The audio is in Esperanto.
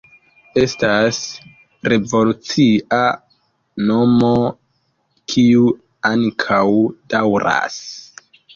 Estas revolucia nomo, kiu ankaŭ daŭras.